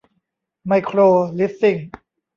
ไมโครลิสซิ่ง